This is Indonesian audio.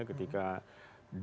ketika dia berada